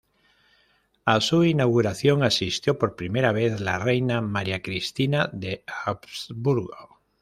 A su inauguración asistió por primera vez la reina María Cristina de Habsburgo.